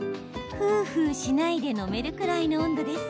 ふうふうしないで飲めるくらいの温度です。